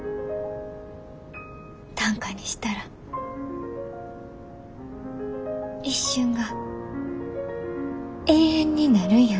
短歌にしたら一瞬が永遠になるんやんな？